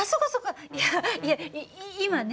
いやいや今ね